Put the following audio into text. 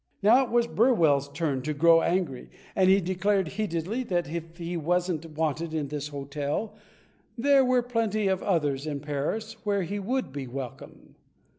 Now it was Burwell's turn to grow angry, and he declared heatedly that if he wasn't wanted in this hotel there were plenty of others in Paris where he would be welcome.